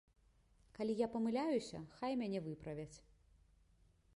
Калі я памыляюся, хай мяне выправяць.